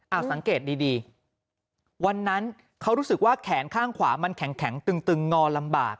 เอาสังเกตดีวันนั้นเขารู้สึกว่าแขนข้างขวามันแข็งตึงงอลำบาก